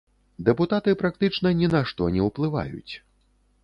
Дэпутаты практычна ні на што не ўплываюць.